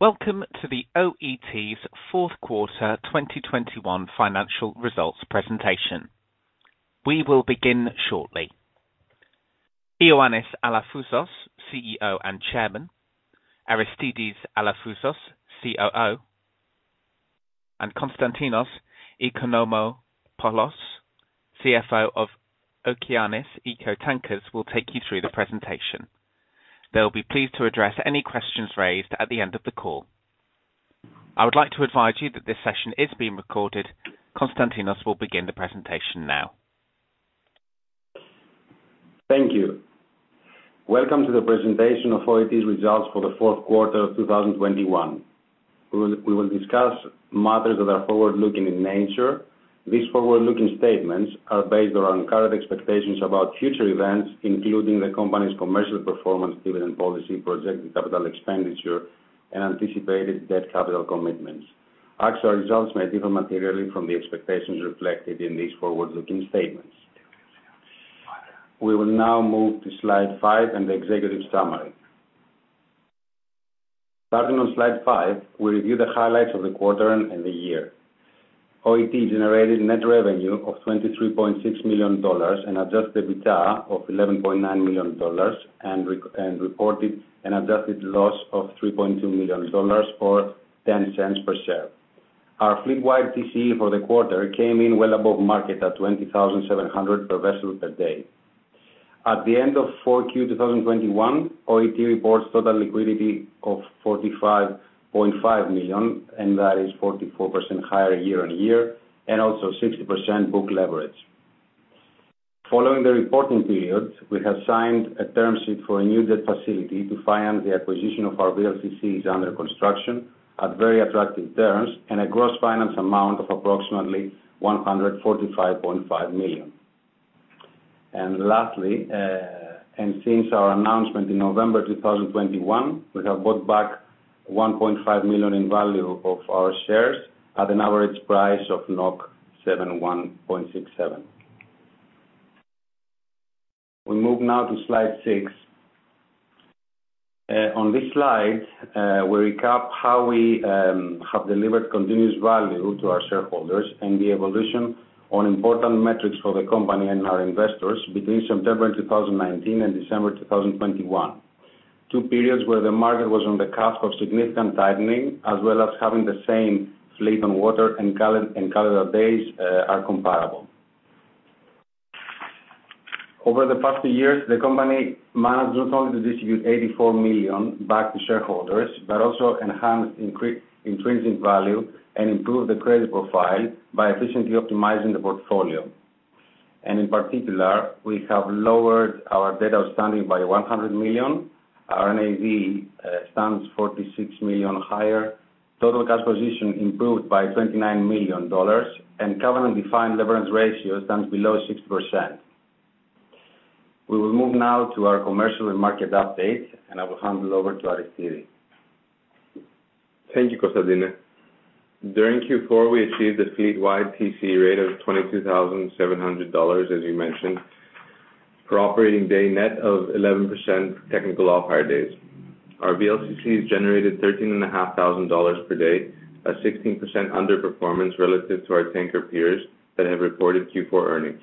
Welcome to the OET's fourth quarter 2021 financial results presentation. We will begin shortly. Ioannis Alafouzos, CEO and Chairman, Aristidis Alafouzos, COO, and Konstantinos Oikonomopoulos, CFO of Okeanis Eco Tankers, will take you through the presentation. They'll be pleased to address any questions raised at the end of the call. I would like to advise you that this session is being recorded. Konstantinos will begin the presentation now. Thank you. Welcome to the presentation of OET's results for the fourth quarter of 2021. We will discuss matters that are forward-looking in nature. These forward-looking statements are based on current expectations about future events, including the company's commercial performance, dividend policy, projected capital expenditure, and anticipated debt capital commitments. Actual results may differ materially from the expectations reflected in these forward-looking statements. We will now move to slide five and the executive summary. Starting on slide five, we review the highlights of the quarter and the year. OET generated net revenue of $23.6 million and adjusted EBITDA of $11.9 million and reported an adjusted loss of $3.2 million or $0.10 per share. Our fleet-wide TCE for the quarter came in well above market at 20,700 per vessel per day. At the end of Q4 2021, OET reports a total liquidity of $45.5 million, and that is 44% higher year-on-year and also 60% book leverage. Following the reporting period, we have signed a term sheet for a new debt facility to finance the acquisition of our VLCCs under construction at very attractive terms and a gross finance amount of approximately $145.5 million. Lastly, and since our announcement in November 2021, we have bought back $1.5 million in value of our shares at an average price of 71.67. We move now to slide six. On this slide, we recap how we have delivered continuous value to our shareholders and the evolution on important metrics for the company and our investors between September 2019, and December 2021. Two periods where the market was on the cusp of significant tightening, as well as having the same fleet on water and calendar days, are comparable. Over the past two years, the company managed not only to distribute $84 million back to shareholders, but also enhanced intrinsic value and improved the credit profile by efficiently optimizing the portfolio. In particular, we have lowered our debt outstanding by $100 million. Our NAV stands $46 million higher. Total cash position improved by $29 million, and covenant-defined leverage ratio stands below 6%. We will move now to our commercial and market update, and I will hand it over to Aristidis. Thank you, Konstantinos. During Q4, we achieved a fleet-wide TC rate of $22,700, as you mentioned, per operating day net of 11% technical off-hire days. Our VLCCs generated $13,500 per day, a 16% underperformance relative to our tanker peers that have reported Q4 earnings.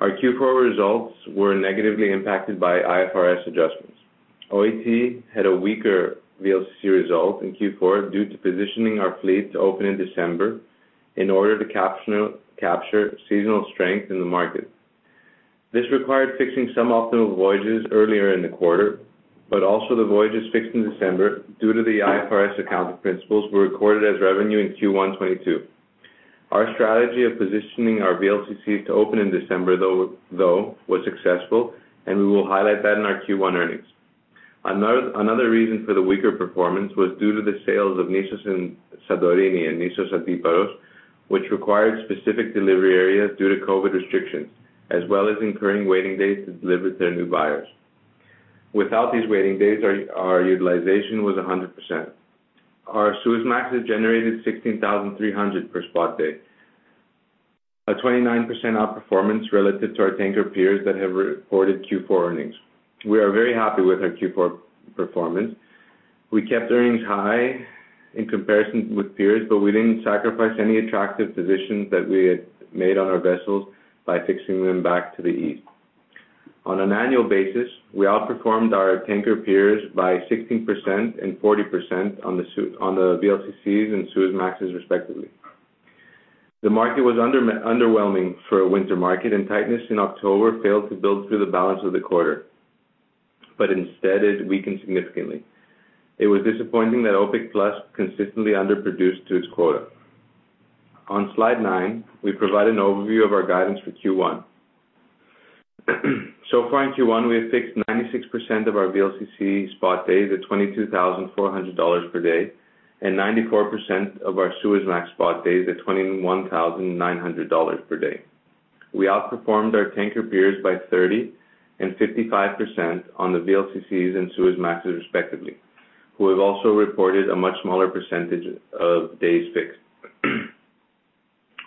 Our Q4 results were negatively impacted by IFRS adjustments. OET had a weaker VLCC result in Q4 due to positioning our fleet to open in December in order to capture seasonal strength in the market. This required fixing some optimal voyages earlier in the quarter, but also the voyages fixed in December, due to the IFRS accounting principles, were recorded as revenue in Q1 2022. Our strategy of positioning our VLCC to open in December, though, was successful, and we will highlight that in our Q1 earnings. Another reason for the weaker performance was due to the sales of Nissos Santorini and Nissos Antiparos, which required specific delivery areas due to COVID restrictions, as well as incurring waiting days to deliver to their new buyers. Without these waiting days, our utilization was 100%. Our Suezmax generated 16,300 per spot day, a 29% outperformance relative to our tanker peers that have reported Q4 earnings. We are very happy with our Q4 performance. We kept earnings high in comparison with peers, but we didn't sacrifice any attractive positions that we had made on our vessels by fixing them back to the east. On an annual basis, we outperformed our tanker peers by 16% and 40% on the VLCCs and Suezmaxes, respectively. The market was underwhelming for a winter market, and tightness in October failed to build through the balance of the quarter, but instead it weakened significantly. It was disappointing that OPEC+ consistently underproduced to its quota. On slide nine, we provide an overview of our guidance for Q1. So far in Q1, we have fixed 96% of our VLCC spot days at $22,400 per day and 94% of our Suezmax spot days at $21,900 per day. We outperformed our tanker peers by 30% and 55% on the VLCCs and Suezmaxes, respectively, who have also reported a much smaller percentage of days fixed.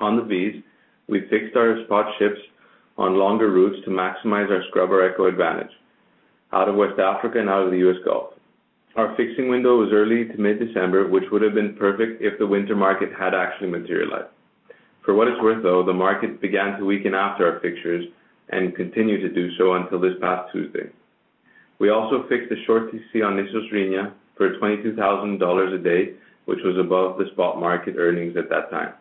On the VLCCs, we fixed our spot ships on longer routes to maximize our scrubber eco advantage out of West Africa and out of the U.S. Gulf. Our fixing window was early to mid-December, which would have been perfect if the winter market had actually materialized. For what it's worth, though, the market began to weaken after our fixtures and continued to do so until this past Tuesday. We also fixed the short TC on Nissos Rhenia for $22,000 a day, which was above the spot market earnings at that time.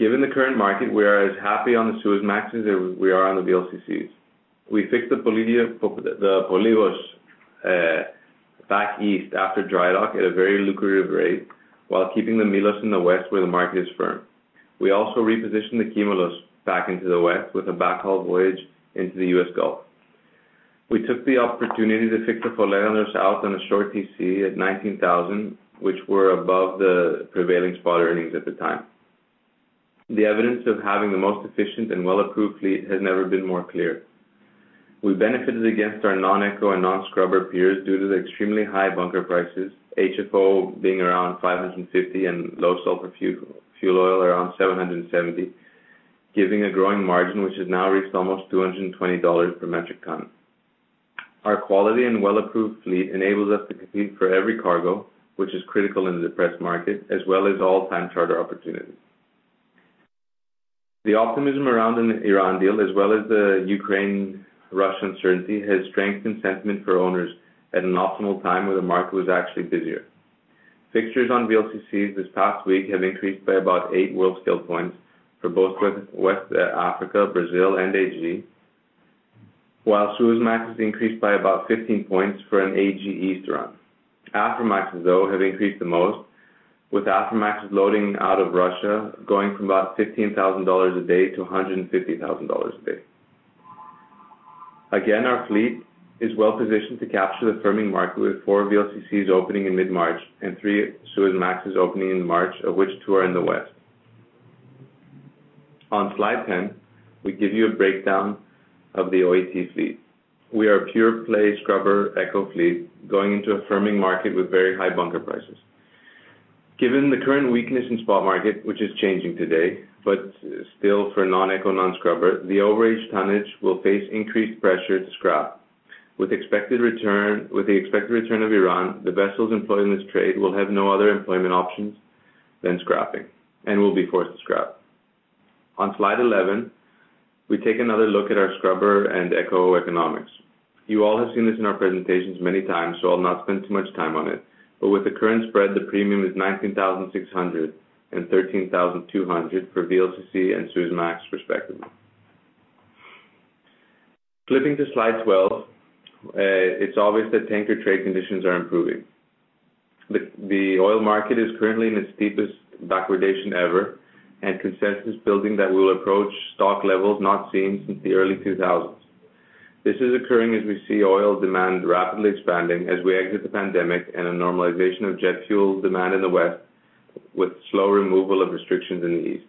Given the current market, we are as happy on the Suezmaxes as we are on the VLCCs. We fixed the Poliegos back east after dry dock at a very lucrative rate, while keeping the Milos in the west, where the market is firm. We also repositioned the Kimolos back into the west with a backhaul voyage into the U.S. Gulf. We took the opportunity to fix the Folegandros out on a short TC at $19,000, which were above the prevailing spot earnings at the time. The evidence of having the most efficient and well-approved fleet has never been more clear. We benefited against our non-eco and non-scrubber peers due to the extremely high bunker prices, HFO being around 550, and low sulfur fuel oil around 770, giving a growing margin, which has now reached almost $220 per metric ton. Our quality and well-approved fleet enables us to compete for every cargo, which is critical in the depressed market, as well as all-time charter opportunities. The optimism around an Iran deal, as well as the Ukraine-Russia uncertainty, has strengthened sentiment for owners at an optimal time, where the market was actually busier. Fixtures on VLCCs this past week have increased by about eight Worldscale points for both West Africa, Brazil, and AG, while Suezmax has increased by about 15 points for an AG Easter run. Aframaxes, though, have increased the most, with Aframax loading out of Russia going from about $15,000 a day to $150,000 a day. Again, our fleet is well-positioned to capture the firming market, with four VLCCs opening in mid-March and three Suezmaxes opening in March, of which two are in the West. On slide 10, we give you a breakdown of the OET fleet. We are a pure-play scrubber eco-fleet going into a firming market with very high bunker prices. Given the current weakness in spot market, which is changing today, but still for non-eco, non-scrubber, the overage tonnage will face increased pressure to scrap. With the expected return of Iran, the vessels employed in this trade will have no other employment options than scrapping and will be forced to scrap. On slide 11, we take another look at our scrubber and eco-economics. You all have seen this in our presentations many times, so I'll not spend too much time on it. With the current spread, the premium is 19,600 and 13,200 for VLCC and Suezmax, respectively. Flipping to slide 12, it's obvious that tanker trade conditions are improving. The oil market is currently in its steepest backwardation ever, and consensus building that will approach stock levels not seen since the early 2000s. This is occurring as we see oil demand rapidly expanding as we exit the pandemic and a normalization of jet fuel demand in the West, with slow removal of restrictions in the East.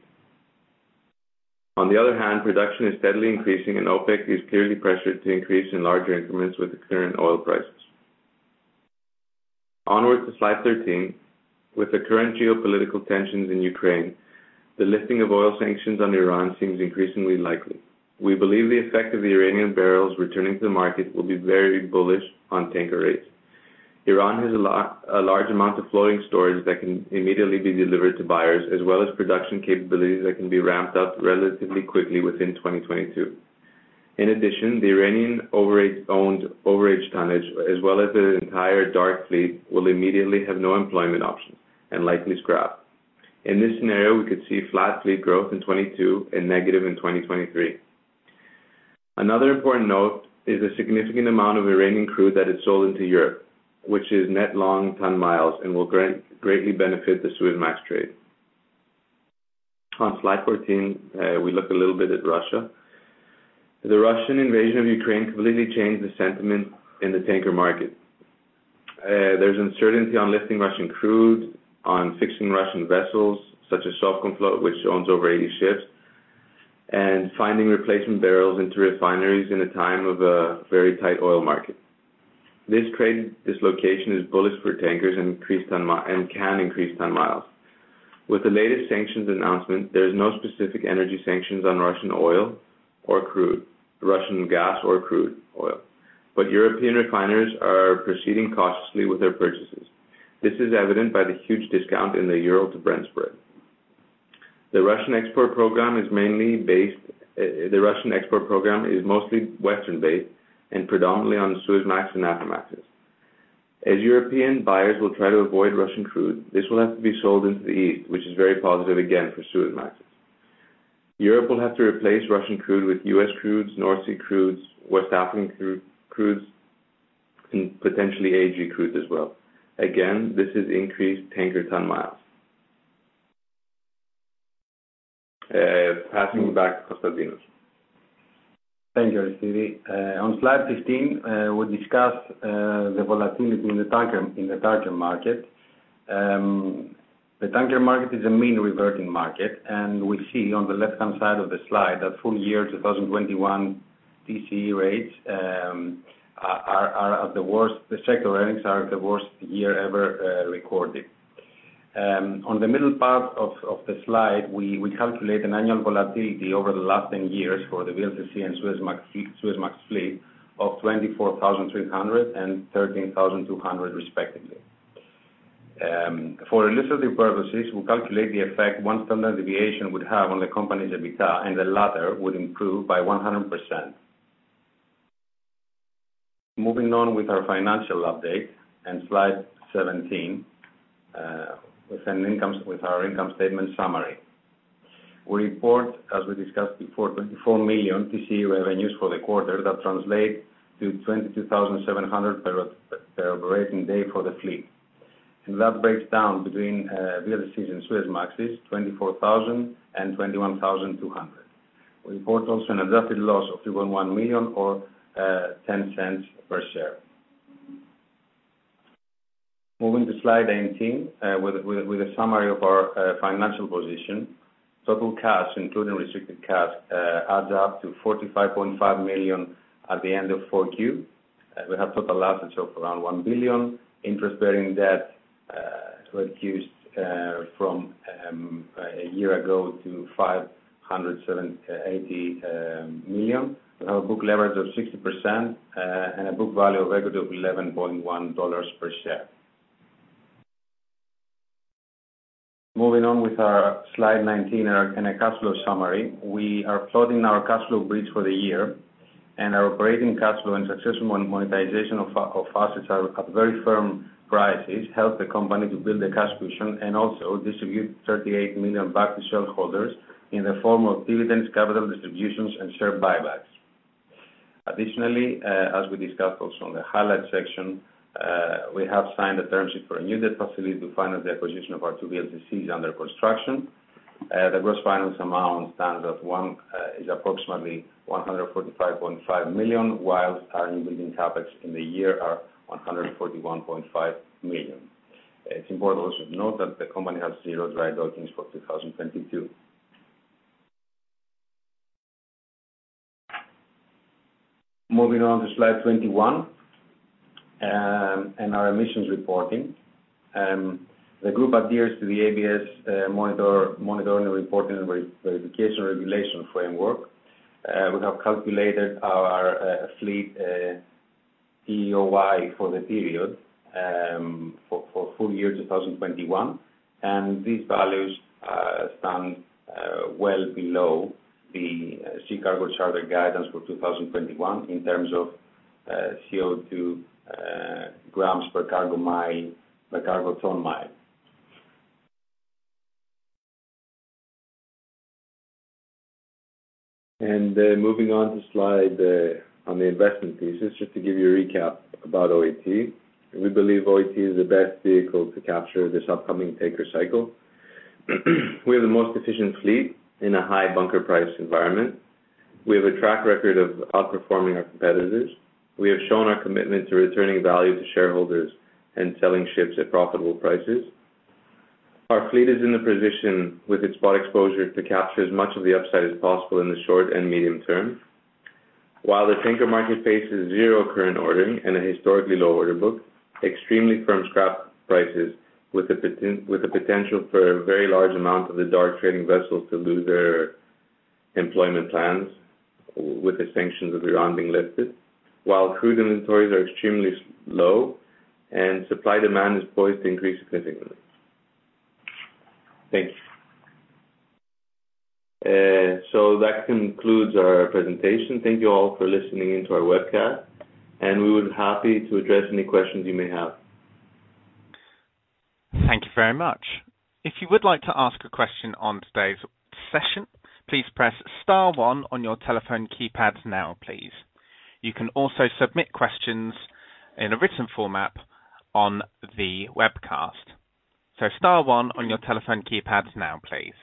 On the other hand, production is steadily increasing, and OPEC is clearly pressured to increase in larger increments with the current oil prices. Onward to slide 13. With the current geopolitical tensions in Ukraine, the lifting of oil sanctions on Iran seems increasingly likely. We believe the effect of the Iranian barrels returning to the market will be very bullish on tanker rates. Iran has a large amount of floating storage that can immediately be delivered to buyers, as well as production capabilities that can be ramped up relatively quickly within 2022. In addition, the Iranian overage-owned, overage tonnage as well as the entire dark fleet will immediately have no employment option and likely scrapped. In this scenario, we could see flat fleet growth in 2022 and negative in 2023. Another important note is the significant amount of Iranian crude that is sold into Europe, which is net long ton miles and will greatly benefit the Suezmax trade. On slide 14, we look a little bit at Russia. The Russian invasion of Ukraine completely changed the sentiment in the tanker market. There's uncertainty on lifting Russian crude, on fixing Russian vessels such as Sovcomflot, which owns over 80 ships, and finding replacement barrels into refineries in a time of a very tight oil market. This trade dislocation is bullish for tankers and can increase ton miles. With the latest sanctions announcement, there is no specific energy sanctions on Russian oil or crude, Russian gas or crude oil, but European refiners are proceeding cautiously with their purchases. This is evident by the huge discount in the Urals to Brent spread. The Russian export program is mostly Western-based and predominantly on Suezmax and Aframaxes. As European buyers will try to avoid Russian crude, this will have to be sold into the east, which is very positive again for Suezmax. Europe will have to replace Russian crude with U.S. crudes, North Sea crudes, West African crudes, and potentially AG crudes as well. Again, this has increased tanker ton miles. Passing back to Konstantinos. Thank you, Aristidis. On slide 15, we discuss the volatility in the tanker market. The tanker market is a mean-reverting market, and we see on the left-hand side of the slide that full-year 2021 TCE rates are the worst. The cycle earnings are the worst year ever recorded. On the middle part of the slide, we calculate an annual volatility over the last 10 years for the VLCC and Suezmax fleet of 24,300 and 13,200, respectively. For illustrative purposes, we calculate the effect one standard deviation would have on the company's EBITDA, and the latter would improve by 100%. Moving on with our financial update in slide 17, with our income statement summary. We report, as we discussed before, $24 million TCE revenues for the quarter. That translates to $22,700 per operating day for the fleet. That breaks down between VLCCs and Suezmaxes, $24,000 and $21,200. We report also an adjusted loss of $3.1 million or $0.10 per share. Moving to slide 18 with a summary of our financial position. Total cash, including restricted cash, adds up to $45.5 million at the end of 4Q. We have total assets of around $1 billion. Interest-bearing debt has reduced from a year ago to $578 million. We have a book leverage of 60% and a book value of equity of $11.1 per share. Moving on with our slide 19 and our cash flow summary. We are plotting our cash flow bridge for the year, and our operating cash flow and successful monetization of assets at very firm prices help the company to build the cash position and also distribute $38 million back to shareholders in the form of dividends, capital distributions, and share buybacks. Additionally, as we discussed also on the highlight section, we have signed a term sheet for a new debt facility to finance the acquisition of our two VLCCs under construction. The gross finance amount is approximately $145.5 million, whilst our in-building CapEx in the year are $141.5 million. It's important also to note that the company has zero dry dockings for 2022. Moving on to slide 21, our emissions reporting. The group adheres to the EU MRV monitoring, reporting, and verification regulation framework. We have calculated our fleet EEOI for the period, for full-year 2021, and these values stand well below the Sea Cargo Charter guidance for 2021 in terms of CO2 grams per cargo ton-mile. Moving on to slide on the investment thesis, just to give you a recap about OET. We believe OET is the best vehicle to capture this upcoming tanker cycle. We have the most efficient fleet in a high bunker price environment. We have a track record of outperforming our competitors. We have shown our commitment to returning value to shareholders and selling ships at profitable prices. Our fleet is in the position with its spot exposure to capture as much of the upside as possible in the short and medium term. While the tanker market faces zero current ordering and a historically low order book, extremely firm scrap prices with the potential for a very large amount of the dark fleet vessels to lose their employment with the sanctions of Iran being lifted, while crude inventories are extremely low, and supply-demand is poised to increase significantly. Thank you. That concludes our presentation. Thank you all for listening in to our webcast, and we would be happy to address any questions you may have. Thank you very much. If you would like to ask a question on today's session, please press star one on your telephone keypads now, please. You can also submit questions in a written format on the webcast. Star one on your telephone keypads now, please.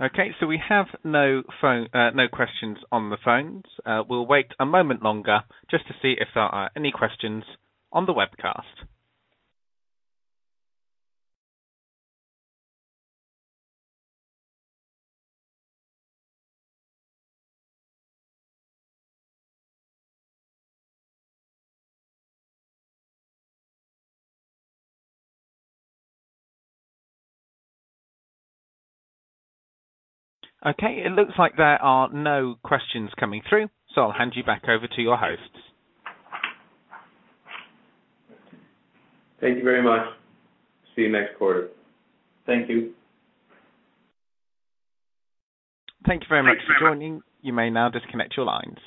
Okay, we have no phone, no questions on the phones. We'll wait a moment longer just to see if there are any questions on the webcast. Okay, it looks like there are no questions coming through, so I'll hand you back over to your hosts. Thank you very much. See you next quarter. Thank you. Thank you very much for joining. You may now disconnect your lines.